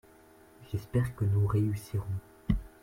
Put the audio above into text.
J’espère que nous réussirons !